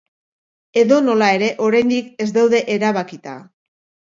Edonola ere, oraindik ez daude erabakita.